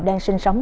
đang sinh sống